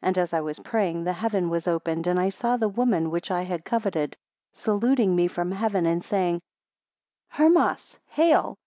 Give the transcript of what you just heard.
5 And as I was praying, the heaven was opened, and I saw the woman which I had coveted, saluting me from heaven, and saying, Hermas, hail!